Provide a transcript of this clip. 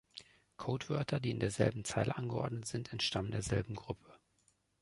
Codewörter, die in derselben Zeile angeordnet sind, entstammen derselben Gruppe.